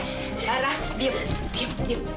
diam diam diam